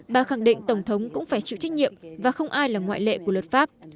bà khẳng định tổng thống cũng phải chịu trách nhiệm và không ai là ngoại lệ của luật pháp